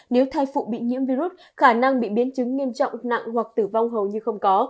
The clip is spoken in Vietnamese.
nếu thai phụ bị nhiễm virus khả năng bị biến chứng nghiêm trọng nặng hoặc tử vong hầu như không có